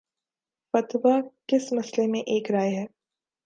فتوی کس مسئلے میں ایک رائے ہے۔